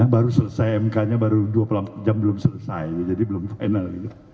baru selesai mk nya baru dua puluh jam belum selesai jadi belum final gitu